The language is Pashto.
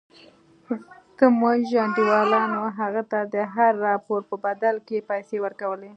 زموږ انډيوالانو هغه ته د هر راپور په بدل کښې پيسې ورکولې.